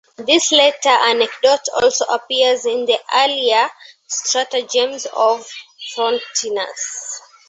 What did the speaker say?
This latter anecdote also appears in the earlier "Stratagems" of Frontinus.